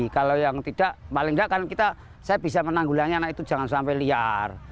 kalau yang tidak paling tidak kan kita saya bisa menanggulangi anak itu jangan sampai liar